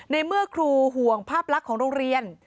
ในเมื่อครูห่วงภาพลักษณ์ของโรงเรียน